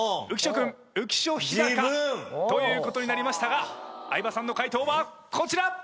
浮所君「浮所飛貴」自分！ということになりましたが相葉さんの回答はこちら！